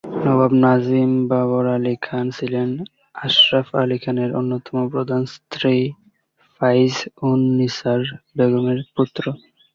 নবাব নাজিম বাবর আলী খান ছিলেন আশরাফ আলী খানের অন্যতম প্রধান স্ত্রী ফাইজ-উন-নিসা বেগমের পুত্র।